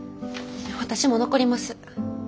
私も残ります。